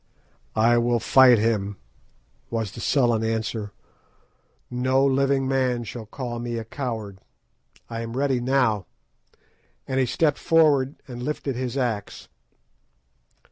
"I will fight him," was the sullen answer. "No living man shall call me a coward. I am ready now!" and he stepped forward and lifted his axe.